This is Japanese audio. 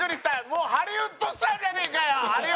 もうハリウッドスターじゃねえかよ有吉！